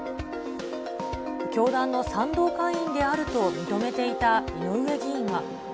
教団の賛同会員であると認めていた井上議員は。